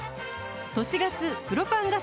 都市ガスプロパンガス